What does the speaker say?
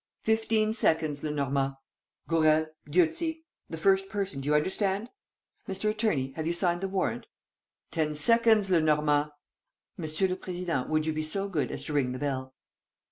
"Fifteen seconds, Lenormand!" "Gourel ... Dieuzy ... the first person, do you understand? ... Mr. Attorney, have you signed the warrant?" "Ten seconds, Lenormand!" "Monsieur le Président, would you be so good as to ring the bell?"